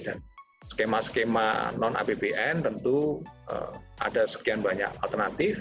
dan skema skema non apbn tentu ada sekian banyak alokasi